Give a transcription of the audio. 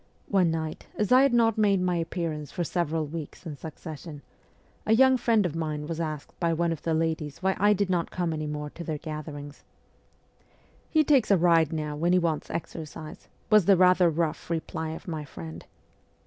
One night, as I had not made my appearance for several weeks in succession, a young friend of mine was asked by one of the ladies why I did not come any more to their gatherings. ' He takes a ride now when he wants exercise,' was the rather rough reply of my friend.